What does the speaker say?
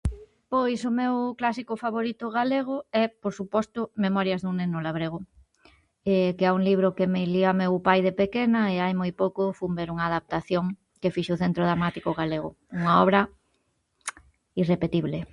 Pois o meu clásico favorito galego é, por suposto, Memorias dun neno labrego, que é un libro que me lía meu pai de pequena e hai pouco fun ver unha adaptación que fixo o Centro Dramático Galego. Unha obra irrepetible.